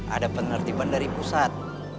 ada penertiban dari pusat